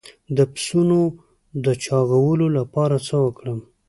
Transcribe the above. د پسونو د چاغولو لپاره څه ورکړم؟